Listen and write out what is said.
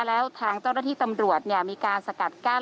แล้วทางเจ้าหน้าที่ตำรวจมีการสกัดกั้น